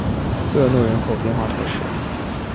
热诺人口变化图示